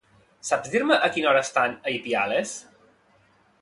Saps dir-me a quina hora estan a Ipiales?